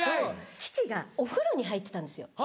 父がお風呂に入ってたんですよ。